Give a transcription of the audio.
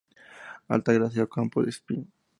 Altagracia Ocampo de Espín.